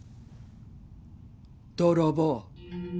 泥棒。